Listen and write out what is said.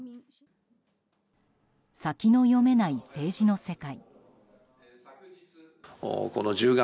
先の読めない政治の世界。